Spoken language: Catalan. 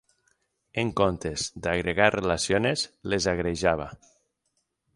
En comptes d'agregar relaciones les agrejava.